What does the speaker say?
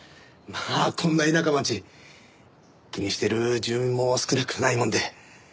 まあこんな田舎町気にしてる住民も少なくないもんで。